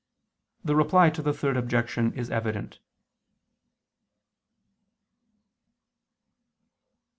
The Reply to the Third Objection is evident.